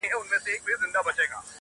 د ماهر فنکار د لاس مجسمه وه.!